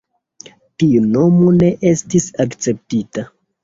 Tiu nomo ne estis akceptita.